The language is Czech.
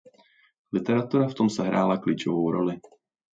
Literatura v tom sehrála klíčovou roli.